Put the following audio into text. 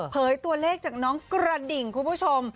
ตัวเลขจากน้องกระดิ่งคุณผู้ชม